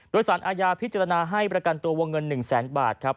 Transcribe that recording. โดยสารอาญาพิจารณาให้ประกันตัววงเงิน๑แสนบาทครับ